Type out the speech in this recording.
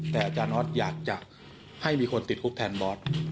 แต่อาจารย์ออสอยากจะให้มีคนติดคุกแทนบอส